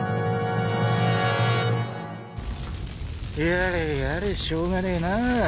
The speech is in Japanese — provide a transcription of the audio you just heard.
［やれやれしょうがねえなぁ］